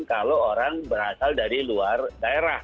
kalau orang berasal dari luar daerah